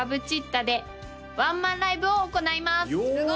’でワンマンライブを行います！よ！